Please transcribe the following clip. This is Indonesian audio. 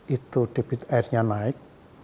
itu debit airnya naik